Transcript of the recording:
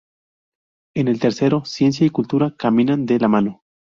En el tercero, Ciencia y Cultura caminan de la mano.